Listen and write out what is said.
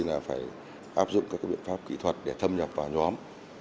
áp dụng các biện pháp kỹ thuật để thâm nhập vào nhóm